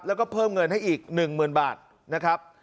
แล้วก็เพิ่มเงินให้อีก๑๐๐๐บาทนะครับ